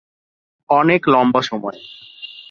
অনেক লম্বা সময়।